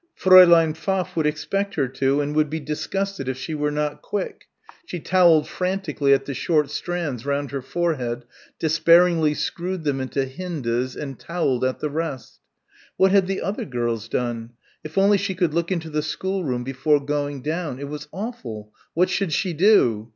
Fräulein Pfaff would expect her to and would be disgusted if she were not quick she towelled frantically at the short strands round her forehead, despairingly screwed them into Hinde's and towelled at the rest. What had the other girls done? If only she could look into the schoolroom before going down it was awful what should she do?...